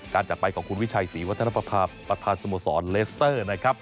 จากไปของคุณวิชัยศรีวัฒนประพาประธานสโมสรเลสเตอร์นะครับ